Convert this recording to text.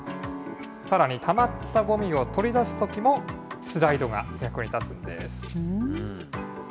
さらにたまったごみを取り出すときも、スライドが役に立つんです。